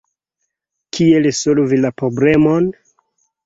Kiel solvi la problemon?